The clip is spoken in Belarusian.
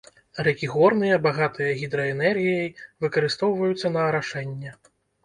Рэкі горныя, багатыя гідраэнергіяй, выкарыстоўваюцца на арашэнне.